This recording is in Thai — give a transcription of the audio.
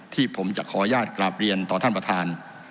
ที่ผมจะขออนุญาตกราบเรียนต่อท่านประธาน